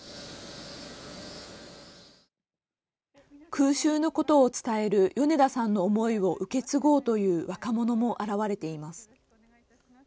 空襲のことを伝える米田さんの思いを受け継ごうという若者も現れています。